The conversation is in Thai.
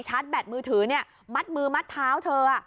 ชาร์จแบตมือถือมัดมือมัดเท้าเธอ